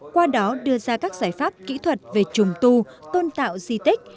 qua đó đưa ra các giải pháp kỹ thuật về trùng tu tôn tạo di tích